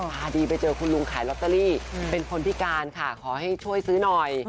ตาดีไปเจอคุณลุงขายลอตเตอรี่เป็นคนพิการค่ะขอให้ช่วยซื้อหน่อย